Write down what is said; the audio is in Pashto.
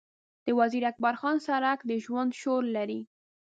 د وزیر اکبرخان سړک د ژوند شور لري.